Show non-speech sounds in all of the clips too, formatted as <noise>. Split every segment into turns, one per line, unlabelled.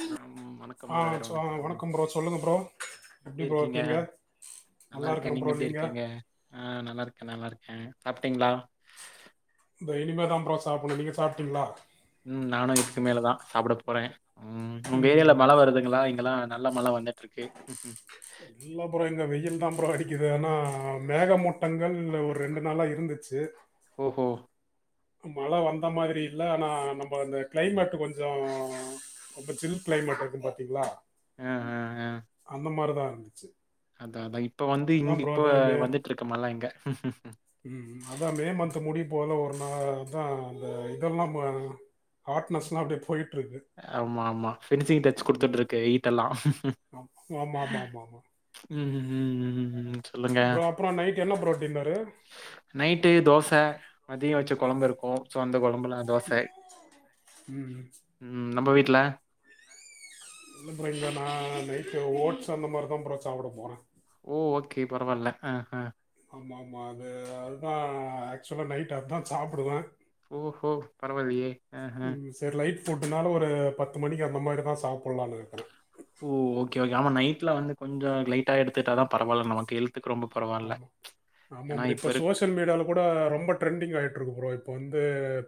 நலம், வணக்கம்
ஆ
பிரதர்
சொ
வணக்கம்
ப்ரோ சொல்லுங்க ப்ரோ
எப்டி இருக்கீங்க? நல்லா இருக்கே, நீங்க எப்டி இருக்கீங்க? ஆ நல்லாருக்கே நல்லாருக் அ, சாப்டிங்ளா
இந்த இனிமேதா ப்ரோ சாப்புட்ணு, நீங்க சாப்டீங்ளா
ம் நானு இதுக்கு மேலதா சாப்ட போறே ம் உங்க ஏரியால
ம்
மழ வருதுங்களா இங்கெல்லா நல்ல மழ வந்து
இல்ல ப்ரோ இங்க வெயில்தா ப்ரோ அடிக் கிது ஆனா மேகமூட்டங்கள் ஒரு ரெண்டு நாளா இருந்துச்சு
ஓஹோ
மழ வந்த மாதிரி இல்ல ஆனா நம்ம அந்த கிளைமேட் கொஞ்சோ ரொம்ப சில் கிளைமேட் இருக்கு பாத்தீங்ளா
ஆ ஆ ஆ
அந்த மாரிதா வந்துச்சு
அதா அதா இப்ப வந்து இங் இப்ப
மே
வந்துட்ருக்கு மழ இங்க
அ அதா அந்த இதெல்லா ம ஹாட்னஸ்லா அப்படியே போய்ட்
ஆமாமா, ஃபினிசிங் டச்
ம்
குடுத்துட்டுருக்க ஈட்டெல்லா
ஆமா ஆமா ஆமா ஆமா
ம் ம் ம் ம் ம், சொல்லுங்க
ப்ரோ அப்புறம் நைட் என்ன ப்ரோ டின்னரு
நைட்டு தோச மதியோ வச்ச கொழம்பு இருக்கு சோ அந்த கொழம்புல தோச
ம்
ம் நம்ம வீட்ல
இல்ல ப்ரோ இங்க நா நைட்டு ஓட்ஸ் அந்த மாரிதா ப்ரோ சாப்ட போறே
ஓ ஓகே பரவால்ல ஆ அ
ஆமா மா அது அதா ஆக்சுவலா நைட் அதா சாப்டுவே
ஓஹோ பரவாலயே அஹ
ஃபுடுனால ஒரு பத்து மணிக்கு அந்த மாரிதா சாப்டலாம்னு இருக்குறே
ஓ ஓகே ஓகே ஆமா நைட்ல வந்து கொஞ்சோ லைட்டா எடுத்துட்டா தா பரவாயில்ல நமக்கு ஹெ
ஆமா ஆமா
இப்ப
இப்போ
இருக்
சோசியல் மீடியால கூட ரொம்ப ட்ரெண்டிங் ஆய்ட்டு இருக்கு ப்ரோ இப்ப வந்து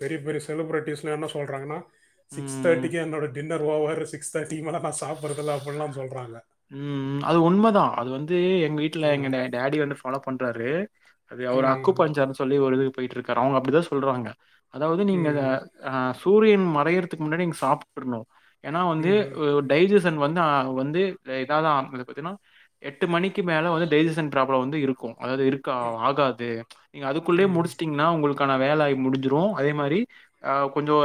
பெரிய பெரிய செலிப்ரட்டிஸ்லா என்ன சொல்றாங்கன்னா சிக்ஸ்
ம்.
தேர்ட்டிக்கு என்னோட dinner over six thirty டிக்குமேல நா சாப்படுறதில்லே அப்டின்ல்லாம் சொல்றாங்க
து எங்க வீட்டுல எங்க டாடி வந்து ஃபாலோ பண்றாரு அது அவர் அக்கு
ம் ம்
பஞ்சர் சொல்லி ஒரு இதுக்கு போயிட்டு இருக் காரு அவங்க அப்படிதா சொல்றாங்க அதாவது நீங்க
ம்
அ சூரியன் மறையறதுக்கு முன்னாடி நீங்க சாப்ட்ருணும் ஏன்னா
ம்
வந்து
ம்
ஒ சுச்சிவேஷன் வந்து ஆ வந்து இதாதா பாத்திங்கனா எட்டு மணிக்கு மேல வந்து டைஜஷன் பிராப்ளம் இருக்கும் அதாவது இருக்கா ஆகாது நீங்க அதுக்குள்ளே
ம்
முடிச்சட்டீங்கன்னா உங்களுக் க்கான வேலை ஆகி முடிஞ்சிடும் அதே மாரி ஆ கொஞ்சம்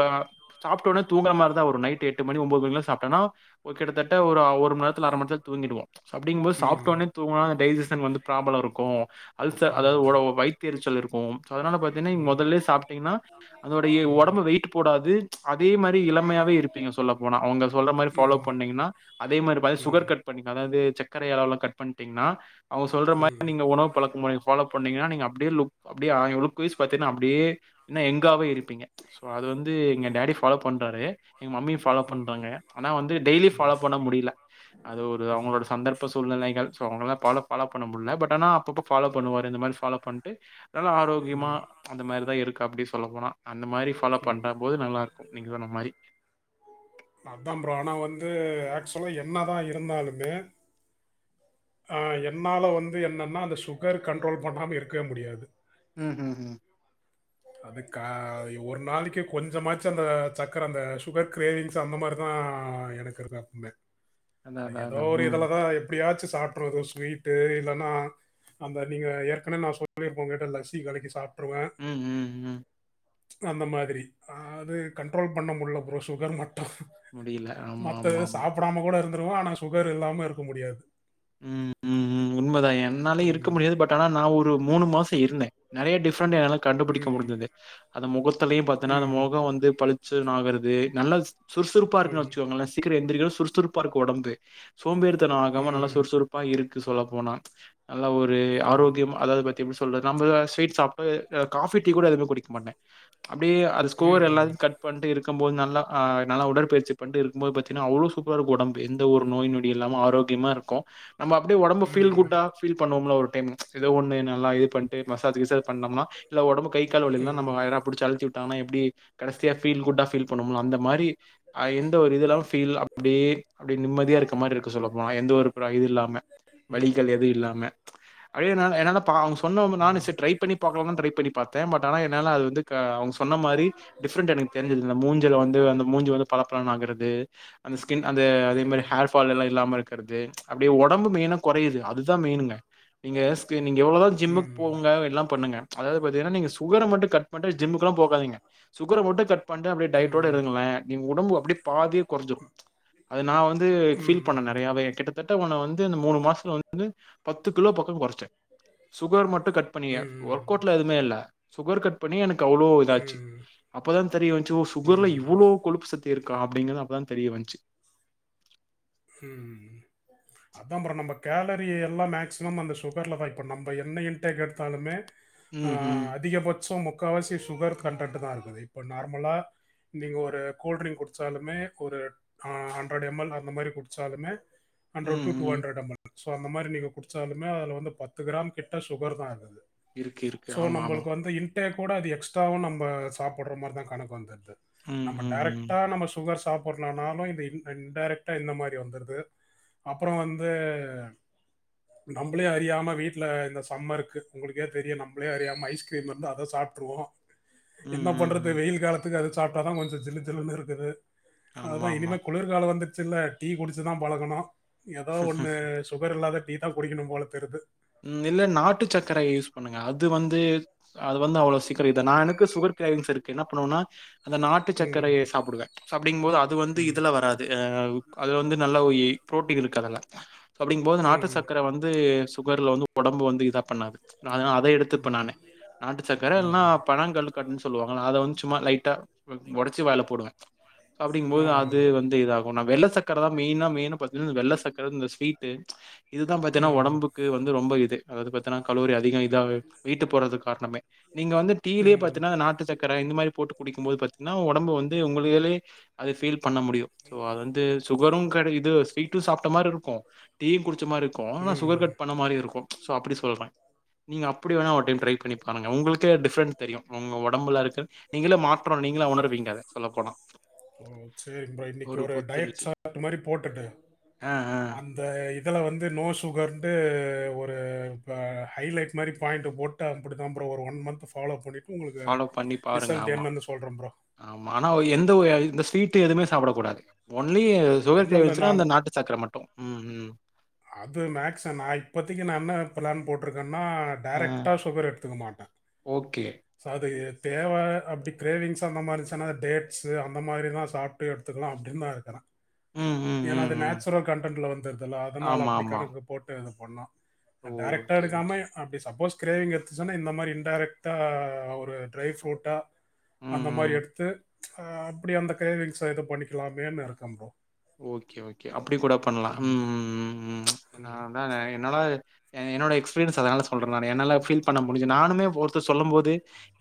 சாப்பிட்ட உடனே தூங்கற மாரிதா வரும் ஒரு நைட் எட்டு மணி ஒன்பது மணி சாப்பிட்டோம்னா ஒரு கிட்டத்தட்ட ஒரு மணி நேரத்ல அர மணிநேரத்ல தூங்கிடுவோம் அப்டிங்கபோது
ம் ம்
சாப்ட்டோனே தூங்கனா அந்த டைஜிஸ்ட் ஷன் வந்து ப்ராப்ளம் இருக்கும் அல்சர் அதாவது
ஆமாம்
உட
ப்ரோ
வயித்தெரிச்சல் இருக்கும் கும் ஸோ அதனால பாத்தீங்கன்னா இங்க
ம் ம்
முதல்லே சாப்பிட்டிங்கன்னா அதோடைய
ம்
உடம்பு வெயிட் போடாது அதே மாரி இளமையாவே இருப்பீங்க சொல்ல போனா அவங்க சொல்ற மாரி ஃபாலோ பண்ணீங்கன்னா அதே மாரி பாத்திங்கனா
ம்
சுகர் கட் பண்ண அதாவது ச கரை அளவல்லாம் கட் பண்ணிட்டீங்கன்னா அவங்க சொல்ற
ம்
மாரி நீங்க உணவு பழக்க முறை பாலோ பண்ணீங்கனா நீங்க அப்டியே லுக் அப்டியே அ லுக்வயிஸ் பாத்தீங்கன்னா அப்டியே யங்காவே இருப்பீங்க சோ அது வந்து எங்க டாடி ஃபாலோ பண்றாரு எங்க மம்மியும் ஃபாலோ
ம்
பண்றாங்க ஆனா வந்து டெய்லி ஃபாலோ பண்ண முடியல அது ஒரு அவங்களோட சந்தர்ப சூ சூழ்நிலைகள் சோ அவங்கள ஃபாலோ ஃபாலோ பண்ண முடில பட் ஆனா அப்பப்போ ஃபாலோ பண்ணுவாரு இந்த மாரி ஃபாலோ பண்ணிட்டு நல்ல ஆரோக்கியமா
ம்
அந்த மாரிதா இருக் கு அப்டி சொல்ல போனா அந்தமாரி ஃபாலோ பண்றபோது நல்லா இருக்கும் நீங்க சொன்ன மாரி
அதா ப்ரோ ஆனா வந்து ஆக்சுவலா என்னதா இருந்தாலுமே ஆ என்னால வந்து என்னன்னா அந்த சுகர் கண்ட்ரோல் பண்ணாம இருக்கவே முடியாது
ம்ஹூம், ம்
அது கா ஒரு நாளைக்கி கொஞ்சமாச்சு அந்த சக்கர அந்த சுகர் கிரேவிங்ஸ் அந்த மாரிதா எனக்கு இருக்கு எப்பமே
அதான்
அ
அதான்
ஏதோ
அதான்.
ஒரு
ம்.
இதுலதா எப்பிடியாச்சு சாப்டுட்றது ஸ்வீட்டு இல்லன்னா அந்த நீங்க ஏற்கனவே நா சொல்லிருப்போ உங்கட்ட லசி கலைக்கி சாப்
ம் ம் ம்
அந்த மாதிரி அது கண்ட்ரோல் பண்ண முடில ப்ரோ சுகர் மட் டு
முடியல. ஆமா, ஆமா,
மத்தது
ஆமா.
சாப்படாம கூட இருந் துருவோ ஆனா சுகர் இல்லாம இருக்க முடியாது
ம் ம் ம் உண்மதா என்னாலயு இருக்க
ம்
முடியாது பட் ஆனா நா ஒரு மூணு மாச இருந்தே நெறைய டிஃப்ரண்ட் எனக் கண்டுபிடிக்க
ம்
முடிஞ்சுது அந்த முகத்திலயு பாத்தன்னா அந்த
ம்
முக வந்து பளிச் சுன் ஆகறது நல்ல சுறுசுறுப்பா இருக்குனு
ம்
வெச்சுக்கோங்களே சீக்கிர எந்திரிக்கிறது சுறுசுறுப்பா இருக்கு ஒடம்பு சோம்பேறித்தன ஆகாம நல்ல
ம்
சுறுசுறுப்பா இருக் கு சொல்ல போனா நல்ல ஒரு
ம் ம்
ஆரோக்கியம அதாது பாத் எப்டி சொல்றது நம்ம ஏதாது ஸ்வீட் சாப்ட்டு காஃபி டீ கூட எதுமே குடிக்க மாட்ட அப்டியே அது
ம்
ஸ்கோர் எல்லா
ம்
கட் பண்ட்டு இருக் கம்போது நல்லா ஆ நல்லா உடற்பயிற்சி பண்ட்டு இருக்கும்போது பாத்திங்னா அவ்ளோ சூப்பரா இருக்கு ஒடம்பு எந்த ஒரு நோய் நொடி இல்லாம ஆரோக்கியமா இருக்கு நம்ம அப்டியே ஒடம்ப ஃபீல் குட்டா ஃபீல் பண்ணுவோமல்ல ஒரு டைம் இது ஒண்ணு நல்லா இது பண்ட்டு மசாஜ் கிசாஜ் பண்ணம்னா இல்ல ஒடம்பு கை கால்கள எல்லா நம்ம
ம்
யாரா புடிச்சு அழுத்தி உட்டாங்னா எப்டி கடைசியா ஃபீல் குட்டா ஃபீல் பண்ணுவமல்ல அந்த மாரி ஆஹ் எந்த ஒரு இது இல்லாம ஃபீல் அப்டியே நிம்மதியா இருக்க மாரி இருக்கு சொல்லப்போனா அப்றோ இது இல்லாம வலிகள் எது இல்லாம ப்ச் அப்டியே என்ன என்ன பா த்து பண்ணோம்னு நானு சரி ட்ரை பண்ணி பாக்கலாம்தான் ட்ரை பண்ணி பாத்த பட் ஆனா என்னால அது வந்து அவுங்க சொன்ன மாரி டிஃபரண்ட் எனக்கு தெரிஞ்சது இந்த மூஞ்சில வந்து அந்த மூஞ்சி வந்து பளபளன்னு ஆகுறது அந்த ஸ்கின் அந்த அதே மாரி
ம்
ஹேர் ஃபால் எல்லா இல்லாம இருக்கிறது ப்ச் அப்டியே ஒடம்பு மெயினா குறையுது அதுதா மெயினுங்க நீங்க ஸ் நீங்க எவ்ளோதா
ம்
ஜிம்க்கு
ம்
போங்க எல்லா பண்ணுங்க ப்ச் அதாது பாத்தீங்கன்னா நீங்க சுகர மட்டு கட் பண்ணிட்டு ஜிம்முக்கு எல்லா போகாதீங்க சுகர மட்டு கட் பண்ணிட்டு அப்டியே
ம்
டயட்டோட
ம்
இருங்களே நீங்க ஒன் ஒடம்பு அப்படி பாதியா கொறஞ்சிரு அது நா வந் து ஃபீல் பண்ண
ம்
நிறையாவே கிட்டதட் ட உன வந்து இந்த மூணு மாசத்துல வந்து பத்து கிலோ பக்கோ கொறச் சுட்ட சுகர் மட்டு கட் பண்ணிய
ம்
ஒர்க் அவுட்ல எதுவுமே இல்ல சுகர் கட் பண்ணி எனக்கு அவ்ளோ இதாச்சு
ம்
அப்பதா தெரியவந்ச்சு சுகர்ல இவ்ளோ கொழுப்பு சத்து இருக்கா அப்படிங்கறது அப்பதா தெரிய வந்ச்சு
ஹம் அதான் ப்ரோ நம்ம கேலரி எல்லா மேக்சிமம் அந்த சுகர்லதா இப்போ நம்ம என்ன இன்டேக் எடுத்தாலுமே
ம்
ஆஹ்
ம்
அதிகபச்சம் முப் முக்காவாசி சுகர் கன்டென்ட்தா அது இப்ப நார்மலா நீங்க ஒரு கூல்டிரிங் குடிச்சாலுமே ஒரு ஹன்ரெடு எம் எல் அந்த மாரி குடிச் சாலுமே ஹன்ரெடு
ம்
டு
ம்
டுஹண்ரெடு எம் எல் சோ அந்த மாரி நீங்க குடிச்சாலுமே அதுல வந்து பத்து கிராம் கிட்ட சுகர்தா அது அது
இருக்கு இருக்கு
சோ
ஆமா ஆமா
நம்மளுக்கு வந்து இன் முடட்டய கூட அது எக்ஸ்ட்ராவா நம்ப சாப்படுற மாரிதா கணக்கு வந்துர்து
ம்
நம்ம
ம் ம்
டைரெக்டா நம்ம சுகர்ஸ் சாப்பிடறலானாலும் இது இன்டடைரக்டா இந்த மாரி வந்துருது அப்புறோ வந்து நம்மளே அறியாம வீட்ல இந்த சம்மருக்கு உங்களுக்கே தெரியு நம்மள அறியாம ஐஸ்கிரீம் இருந்தா அத சாப்ட்டுருவோ
ம்
என்ன
ம்
பண்றது
ம்
வெயில் காலத் இது அத சாப்ட்டாதா கொஞ்சோ ஜிலு ஜிலுனு இருக்குது அதுதா
ஆமா
இனிமே
ஆமா
குளிர்காலோ வந்து சின்ன டீ குடிச்சுதா பழகணு ஏதோ ஒண்ணு சுகர் இல்லாத டீதா குடிக்கணும் போல தெருது
ம் இல்ல நாட்டு சக்கரைய யூஸ் பண்ணுங்க அது வந்து அது வந்து அவ்ள சீக்கிர இத நா எனக்கு சுகர் க்ரேவிங்ஸ் இருக்கு என்ன பண்ணுவன்னா அந்த நாட்டு
ம்.
சக்கரைய சாப்புடுவே அப்டிங்போது அது வந்து
ம்.
இதுல வராது அ அது வந்து நல்ல க ப்ரோட்டீன் இருக் கதல அப்டிங்கும்போது நாட்டு
ம். ம்.
சக்கர வந்து சுகர்ல வந்து ஒடம்பு வந்து இதா பண்ணாது நா அத அத எடுத்துப்ப நானு நாட்டு சக்கர இல்லனா
ம்.
பனங்கல்கண்டுன் சொல்லுவாங்கள அத வந்து சும்மா லைட்டா ஒடச்சி வாயில போடுவ
ஆ.
அப்டிங்கும்போது அது வந்து இதாகு நா வெள்ள சக்கரதா மெயினா மெய்ன பாத்தினா இந்த வெள்ள சக்கர இந்த ஸ்வீட் ட்டு இதுதா பாத்தீன்னா
ம்.
ஒடம்புக் ரொம்ப இது அதாவது பத்தினா கலோரி அதிக இ தா வெய்ட்டு போட்றதுக்கு காரணமே நீங்க வந்து டீயிலே
ம்.
பாத்தீனா நாட்டுச்சக்கரை இந்த மாரி போட்டு குடிக்கும்போது பாத்தீங்னா ஒடம்பு வந் து உங்களுலாலயே அத ஃபீல் பண்ண முடியு ஷோ அது வந்து சுகரும் கெடை இது ஸ்வீட்டும் சாப்ட்ட மாரி இருக்கும் டீயு குடிச்ச மாரி இருக்கும்
ம்
ஆனா
ம்.
சுகர் கட் பண்ண மாரியு இருக்கு சோ அப்டி சொல்றே நீங்க அப்படி வேணா ஒரு டைம் ட்ரை பண்ணி பாருங்க உங்களுக்கே டிஃப்ரெண்ட் தெரியு உங்க ஒடம்புல இருக்க நீங்களே மாற்றோ நீங்களா உணர்வீங்க அத சொல்ல போனா
ஓ சரிங்க ப்ரோ இன்னைக்கு
ஒரு
டயட்
புத்துணர்ச்சி
சார்ட் மாதிரி
அ அ
இதல்லா வந்து நோ சுகர்ண்ட்டு ஒரு ப ஹைலைட் மாரி பாயிண்ட்ட போட் டு அப்டிதா ஒரு ஒன் மந்த் ஃபாலோ பண்ணி
ஃபாலோ பண்ணி பாருங்க, ஆமா
ப்ரோ
ஆமா ஆனா எந்த ஒரு அ இ இந்த ஸ்வீட் டு எதுமே சாப்டக்கூடாது ஒன் லி சுகர்
இல்லை
தேவ
இல்லை
இருந்துச்சுன்னா
நான்
அந்த நாட்டு சாக்கர மட்டு ம் ம்
அது மேக்சு நா இப்பத்திக்கு நா என்ன பிளான் போட்ருக்கன் னா
ஆ.
டைரெக்ட்டா சுகர் எடுத்துக்க மாட்ட
ஓகே.
ச அது தேவ அப்டி கிரேவிங்ஸ் அந்த மாரி இந்ச்னா டேட்ஸு அந்த மாரிலா சாப்ட்டு எடுத்துக்கலா அப்டின்னு நா இருக்கற
ம், ம்,
ஏனா
ம்,
அது
ம்.
நேச்சுரல் கண்டென்ட்ல வந்துருதுல்ல ஆ அதனால
ஆமா,
அப்படி
ஆமா.
கணக்கு போட்டு இது பண்ணு நா டைரக்டா
ஓகே, ஓகே.
எடுக்காம அப்டி சப்போஸ் கிரேவிங் எடுத்துச்சனா இந்த மாரி இன்டைரெக்டா ஒரு ட்ரை ஃப்ரூட்டா
ம்,
அந்த
ம்.
மாரி எடுத்து ஆஹ் அப்டி அந்த க்ரேவிங்ஸ இது பண்ணிக்கலாமேன்னு இருக்கன் ப்ரோ
ஓகே ஓகே அப்டி கூட பண்லா ம் ம் ம் உம் ம் ம் ச் என்னான என்னதா இது எ என்னோட எக்ஸ்ஃபீரியன்ஸ் அதனால சொல்ற நானு என்னால ஃபீல் பண்ண முடிஞ்சு நானுமே ஒருத்தர் சொல்லும் போது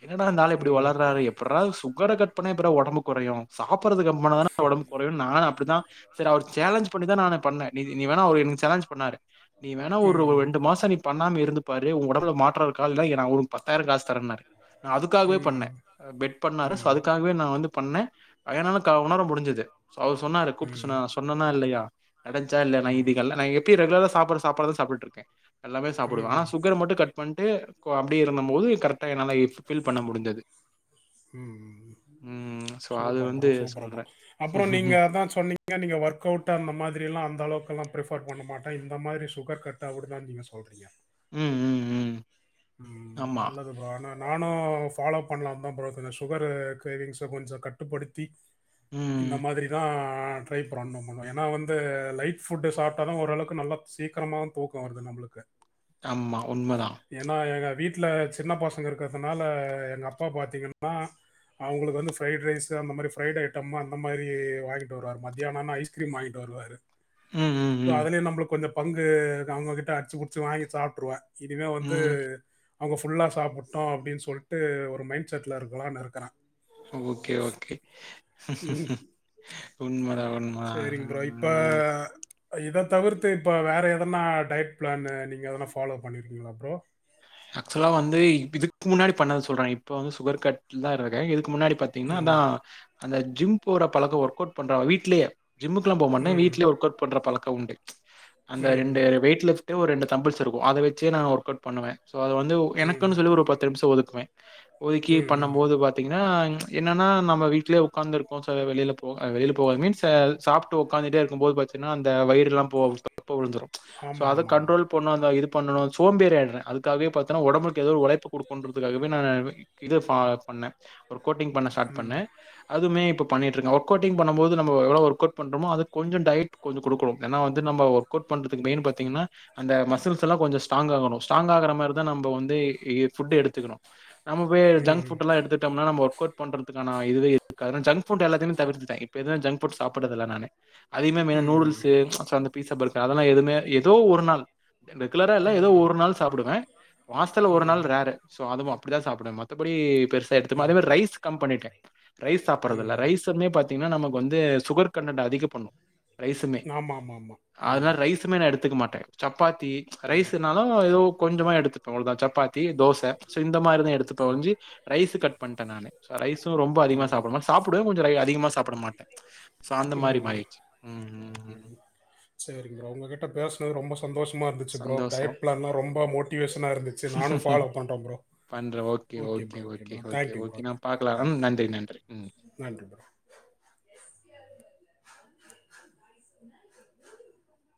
என்னடா இந்தாலு இப்டி
ம்
வொளர்றாரு எப்புட்றா சுகர‌ கட் பண்ணா எப்புட்றா ஒடம்பு கொறையு சாப் ப்பரது கம்ப் பண்ணா தான ஒடம்பு கொறையு நானு அப்டித்தா சரி அவர் சேலஞ்ச் பண்ணிதான் நானே பண்ணே நீ நீ வேணா அவரு எனக் சேலஞ்ச் பண்ணாரு நீ வேணா ஒரு
ம்
ரெண்டு மாசொ நீ பண்ணாம இரு ந்து பாரு ஓ ஒடம்பல மாற்றோ ருக்கா இல்லனா எ நா ஒனக்கு பத்தாயிரம் காசு தரேன்னாரு நா அதுக்காகவே பண்ணே
ம்
அ பெட் பண்ணாரு சோ
ம்
அதுக்காகவே நா வந்து பண்ணே அதே என்னால க உணர முடிஞ்சுது அவரு சொன்னா
ம்
சொன்ன சொன்னனா இல்லயா நடஞ்சா இல்லயா நா
ம்
இதுகெல்லா நா எப்பி ரெகுலரா சாப்பாடு சாப்பாடுதா சாப்ட்டுட்டு இருக்கே எல்லாமே சாப்புடுவே ஆன
ம்
சுகர் மட்டு கட் பண் டு கோ அப்டி இருந்தம் போது கரெக்டா என்னால ஃபில் பண்ண முடிஞ்சது
ம் ம்
ம் சோ அது
சூப்பர் ப்ரோ
வந்து
சூப்பர் ப்ரோ
சொல்றே
அப்பறோ நீங்க அதா சொன்னீ ங்க நீங்க ஒர்க் அவுட் அந்த மாதிரி எல்லா அந்தளவுக்குல்லா ப்ரிஃபர் பண்ண மாட்ட இந்த மாரி சுகர் கட் ஆவுடுதா நீங்க சொல்றீங்க
ம் ம் ம்
ம்
ஆமா
நல்லதுபா ஆனா நா னு ஃபாலோ பண்லாதா ப்ரோ இப்ப இந்த சுகரு க்ரேவிங்ஸ கொஞ்சோ கட்டுப்படுத்தி இந்த
ம்
மாதிரிதா நா ட்ரை ப்ரன்னும் ஒன்னு ஏனா வந்து லைட் ஃபுட்டு சாப்ட்டாலு ஓரளவுக்கு நல்லா சீக்கிரமாவு தூக்கோ வருது நம்மளுக்கு
ஆமா உண்மதா
ஏனா எங்க வீட்ல சின்ன பசங்க இருக்கறதுனால எங்க அப்பா பாத்திங்கனா அவங்களுக்கு வந்து ஃப்ரைட் ரைஸு அந்த மாரி ஃப்ரைட் ஐட்டம்னா அந்த மாரி வாங்கிட்டு வருவாரு மத்தியானானா ஐஸ்கிரீம் வாங்கிட்டு வருவாரு
ம் ம்
சோ
ம்
அதுலயு நம்மளுக் கொஞ்சோ பங்கு இது அவங்ககிட்ட அடிச்சு புடிச்சு வாங்கி சாப்ட்டுருவே இதுவே ந்து
ம்
அவங்க ஃபுல்லா சாப்புட்டோ அப்டினு சொல்ட்டு ஒரு மைண்ட் செட்ல இருக்கலான் நெருக்குறே
ஓகே ஓகே
ம்,
உண்மரா உண்மதா ஆ
இத தவிர்த்து இப்ப வேற எதனா டயட் பிளானு நீங்க எதனா ஃபாலோ பண்ணிருக்கீங்களா ப்ரோ
ஆக்சுவலா வந்து இதுக்கு முன்னாடி பண்ணது சொல்ற இப்ப வந்து சுகர் கட்ல தா இருக்கே இதுக் க்கு முன்னாடி பாத்திங்னா தா
ம்
அந்த ஜிம் போற பழக்கொ ஒர்க் அவுட் பண்றாவ வீட்லயே ஜிம்முக்குலா போ மாட்டே
ம்
வீட்லே ஒர்க்கவுட் பண்ற பழக்கொ உண்டு அந்த ரெண்டு
ம்
வெயிட்லிஃப் டு ஒரு ரெண்டு தம்புள்ஸ் இருக்கு அதை வச்சே நா ஒர்க்கவுட் பண்ணுவே சோ அது வந்து
ம்
எனக்குன்னு சொல்லி ஒரு பத்து நிம்ஷோ ஒதுக் வே ஒதுக்கி
ம்
பண்ணம்
ம்
போது பாத்திங்க னா என்னனா நம்ம வீட்லயே உக்காந்துருக்கோ சோ வெளியில போக் அ வெளியில போகாது மீன்ஸ் அ சாப்ட்டு உக்காந்துட்டே இருக்கும் போது பாத்தினா அந்த வயிறெலா போ தொப்ப விழுந்துரு சோ
ஆமாம்
அத
ஆமாம் ஆமாம்
கண்ட்ரோல் பண்ணு அந்த இது பண்ணனு சோம்பேறி ஆய்ட்றே அது துக்காவே பாத்தனா ஒடம்புக்கேதோர் ஒழைப்பு குடுக்கணுன்றதுக்காகவே நானு இது ப பண்ண ஒரு கோட்டிங் பண்ண ஸ்டார்ட் பண்ண அதுமே இப்பொ பண்ணிட்ருக்க ஒர்க் கோட்டிங் பண்ணும் போது நம்ம எவ்ளோ ஒர்க் அவுட் பண்றமோ அதுக் கொஞ்சொ டயட் கொஞ்ச குடுக்கணு ஏனா வந்து நம்ம ஒர்க் அவுட் பண்றதுக்கு மெயின் பாத்திங்கனா அந்த மசில்ஸ்ஸெல்லா கொஞ்சொ ஸ்ட்ராங்காகணு ஸ்ட்ராங்காகறப் பர்தா நம்ப வந்து இ ஃபுட் எடுத்துக்கணு நம்ம பொயி ஜங்க்
ம்
ஃபுட்டெல்லா எடுத்துட்டம்னா நம்ம ஒர்க் அவுட் பண்றதுக்கான இதுவே இருக்காது நா ஜங்க் ஃபுட் எல்லாத்தமே தவிர்த்துட்டே இப்ப எதுவு ஜங்க் ஃபுட் சாப்புட்றதில்ல நானு அதிகமா மெய்னா
ம்
நூடுல்ஸ்ஸு சோ அந்த பீஸா பர் அதெல்லா எதுமே ஏதோ ஒரு நாள் ரெகுலரா இல்ல ஏதோ
ம்
ஒரு நாள் சாப்புடுவெ மாஸ்த்ல ஒரு
ம்
நாள் ரேரு சோ அதுமா அப்டிதா சாப்டுவ மத்தபடி பெருசா எடுத்துப்ப மதே மாரி ரைஸ் கம் பண்ணிட்டே ரைஸ் சாப்புட்றதில்ல
ம்
ரைஸ்சுமே பாத் திங்னா நமக்கு வந்து சுகர் கண்டன்ட் அதிகப் பண்ணு ரைசுமே
ஆமாம் ஆமாம் ஆமாம்
அதனா
ம்
ரைசுமே நா எடுத்துக்க மாட்டே சப்பாத்தி ரைஸ்ஸுனாலு ஏதோ கொஞ்சமா எடுத் தா சப்பாத் தி தோச சோ இந்த மாரிதா எடுத்துப்பனோஞ்சி ரைஸ்ஸு கட் பண்ட்ட நானு சோ ரைஸ்ஸு ரொம்ப அதிகமா சாப்டம சாப்புடுவ கொஞ்சொ ரை அதிகமா சாப்புட மாட்டே சோ அந்த மாரி மாறிட்ச்சி ம்
சேரிங்க உங்ககிட்ட பேசனது ரொம்ப ச சந்தோஷமா இருந்துச்சு ப்ரோ
சந்தோஷம்.
டயட் பிளான்லா ரொம்ப மோட்டிவேஷனா இருந்துச்சு நானு ஃபாலோ பண்ற ப்ரோ
பண்றேன்.
Okay bro okay bro thank you bro
okay. நான் பாக்கலாம்.
ம்
நன்றி, நன்றி. ம்.
நன்றி ப்ரோ <inaudible>